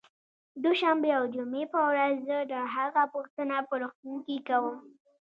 دوشنبې او جمعې په ورځ زه د هغه پوښتنه په روغتون کې کوم